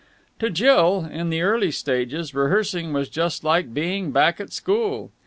To Jill, in the early stages, rehearsing was just like being back at school.